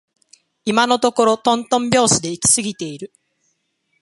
今のところとんとん拍子で行き過ぎている